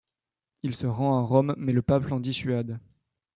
Il se rend à Rome, mais le pape l'en dissuade.